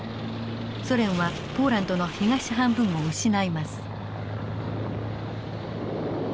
ソ連はポーランドの東半分を失います。